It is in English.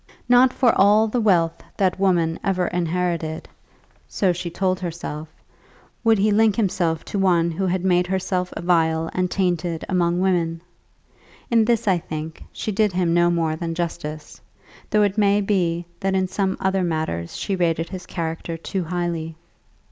Not for all the wealth that woman ever inherited, so she told herself, would he link himself to one who had made herself vile and tainted among women! In this, I think, she did him no more than justice, though it may be that in some other matters she rated his character too highly.